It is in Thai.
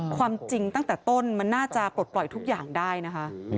ความจริงตั้งแต่ต้นมันน่าจะปลดปล่อยทุกอย่างได้นะคะ